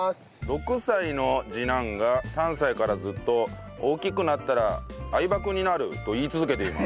６歳の次男が３歳からずっと「大きくなったら相葉君になる！」と言い続けています。